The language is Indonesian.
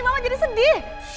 mama jadi sedih